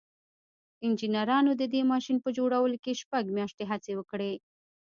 انجنيرانو د دې ماشين په جوړولو کې شپږ مياشتې هڅې وکړې.